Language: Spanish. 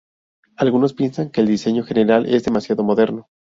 Algunos piensan que el diseño general es demasiado moderno.